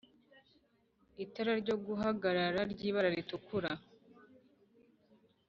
Itara ryo guhagarara ry'ibara ritukura